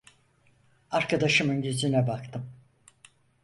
Arkadaşımın yüzüne baktım.